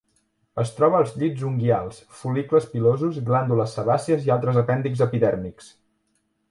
Es troba als llits unguials, fol·licles pilosos, glàndules sebàcies i altres apèndixs epidèrmics.